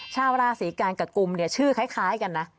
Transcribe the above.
ชาวราศรีกัณฑ์กับกลุ่มชื่อคล้ายกันนะ